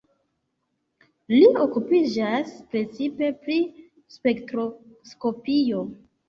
Li okupiĝas precipe pri spektroskopio.